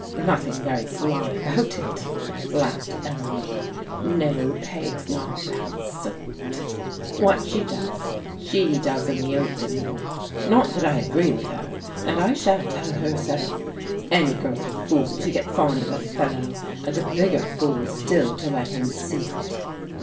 " Nothing very sly about it," laughed Eleanor. " No, P^s not that sort. What she does, she does in the open. Not that I agree with her, and I shall tell her so. Any girl's a fool to get fond of a fellow, and a bigger fool still to let him see it.